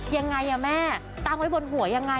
ยังไงแม่ตั้งไว้บนหัวยังไง